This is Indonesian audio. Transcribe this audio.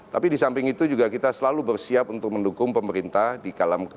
tapi di samping itu juga kita selalu bersiap untuk mendukung pemerintah di kalangan